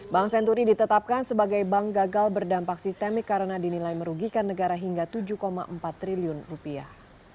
bank senturi ditetapkan sebagai bank gagal berdampak sistemik karena dinilai merugikan negara hingga tujuh empat triliun rupiah